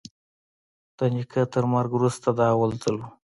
د نيکه تر مرگ وروسته دا اول ځل و.